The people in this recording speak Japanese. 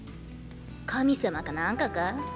神様かなんかか？